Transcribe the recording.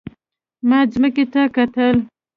ما ځمکې ته کتل.